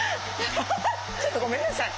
ちょっとごめんなさい。